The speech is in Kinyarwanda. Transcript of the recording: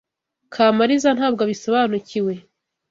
Kamaliza ntabwo abisobanukiwe.